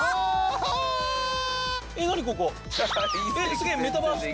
すげえメタバース空間何？